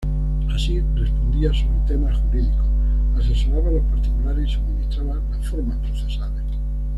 Así respondía sobre temas jurídicos, asesoraba a los particulares y suministraba las formas procesales.